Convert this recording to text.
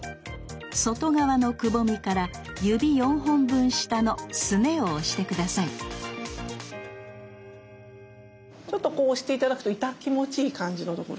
外側のくぼみから指４本分下のすねを押して下さいちょっとこう押して頂くとイタ気持ちいい感じのところ。